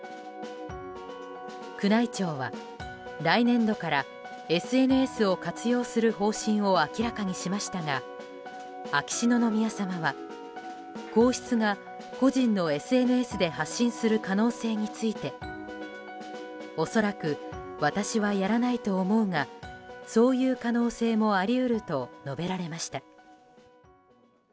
宮内庁は来年度からＳＮＳを活用する方針を明らかにしましたが秋篠宮さまは皇室が個人のＳＮＳで発信する可能性について恐らく、私はやらないと思うがそういう可能性もあり得ると述べられました。